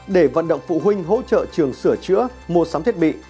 để vận động phụ huynh hỗ trợ trường sửa chữa mua sắm thiết bị